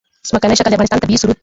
ځمکنی شکل د افغانستان طبعي ثروت دی.